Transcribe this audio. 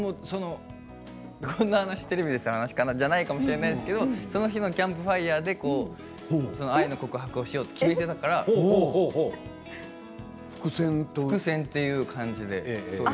こんな話テレビでする話じゃないかもしれないけど、その日のキャンプファイヤーで愛の告白をしようと決めていたから伏線という感じで。